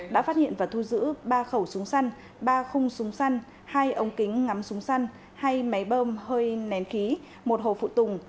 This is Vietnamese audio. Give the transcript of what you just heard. đã phát hiện và thu giữ ba khẩu súng săn ba khung súng săn hai ống kính ngắm súng săn hai máy bơm hơi nén khí một hồ phụ tùng